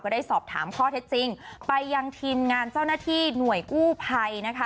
ได้สอบถามข้อเท็จจริงไปยังทีมงานเจ้าหน้าที่หน่วยกู้ภัยนะคะ